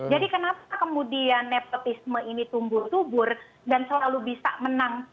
jadi kenapa kemudian nepotisme ini tumbuh tubur dan selalu bisa menang